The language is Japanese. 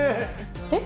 えっ？